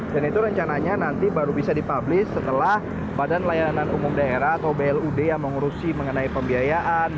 dan itu rencananya nanti baru bisa dipublish setelah badan layanan umum daerah atau blud yang mengurusi mengenai pembiayaan